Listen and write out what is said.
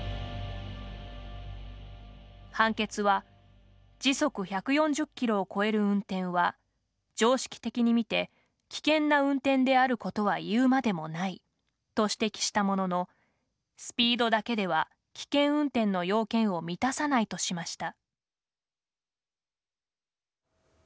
判決は「時速１４０キロを超える運転は常識的に見て『危険な運転』であることはいうまでもない」と指摘したものの「スピードだけでは危険運転の要件を満たさない」としました。